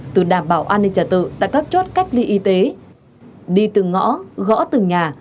từ đảm bảo an ninh trả tự tại các chốt cách ly y tế đi từng ngõ gõ từng nhà